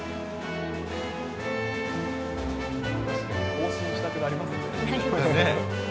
行進したくなりますよね。